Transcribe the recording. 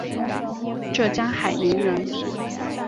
浙江海宁人。